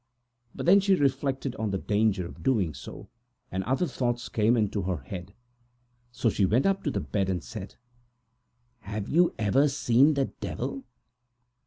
But then she reflected on the danger of doing so, and other thoughts came into her head, so she went up to the bed and said to her: "Have you ever seen the Devil?"